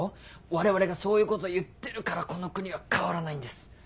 我々がそういうこと言ってるからこの国は変わらないんです。